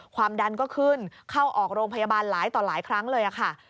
ความดันก็ขึ้นเข้าออกโรงพยาบาลหลายต่อหลายครั้งเลยค่ะ